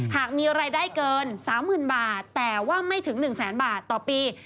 หากมีรายได้เกิน๓๐๐๐บาทแต่ว่าไม่ถึง๑แสนบาทต่อปี